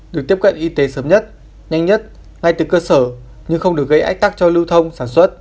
được tiếp cận y tế sớm nhất nhanh nhất ngay từ cơ sở nhưng không được gây ách tắc cho lưu thông sản xuất